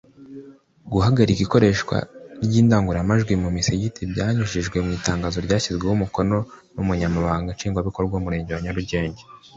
Guhagarika ikoreshwa ry’indangururamajwi mu misigiti byanyujijwe mu itangazo ryashyizweho umukono n’Umunyamabanga Nshingwabikorwa w’Umurenge wa Nyarugenge